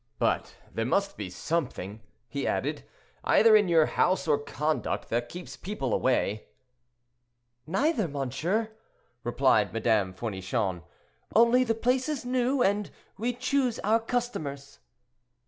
But there must be something," he added, "either in your house or conduct that keeps people away." "Neither, monsieur," replied Madame Fournichon; "only the place is new, and we choose our customers."